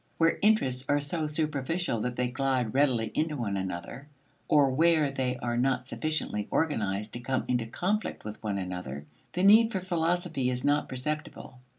Where interests are so superficial that they glide readily into one another, or where they are not sufficiently organized to come into conflict with one another, the need for philosophy is not perceptible.